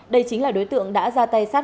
đây chính là đối tượng đã ra tay sát